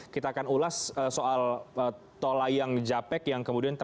kita akan ulas soal tol layang jahpek yang kemudian